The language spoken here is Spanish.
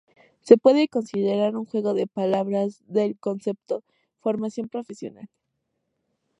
Se puede considerar un juego de palabras del concepto "formación profesional".